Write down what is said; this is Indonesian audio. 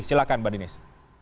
silakan mbak denis